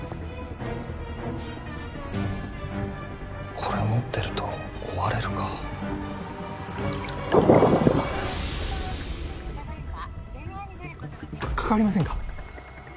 これ持ってると追われるかかかりませんか？